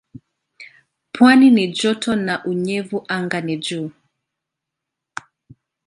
Pwani ni joto na unyevu anga ni juu.